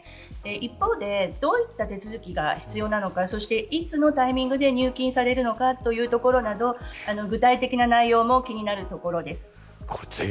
一方で、どういった手続きが必要なのかそして、いつのタイミングで入金されるのかというところなど具体的な内容も気になるところです。